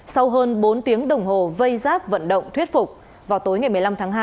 sau hơn bốn tiếng đồng hồ vây giáp vận động thuyết phục vào tối ngày một mươi năm tháng hai